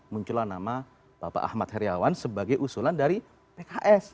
munculan nama bapak ahmad heriawan sebagai usulan dari pks